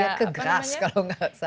dia ke grasse kalau gak salah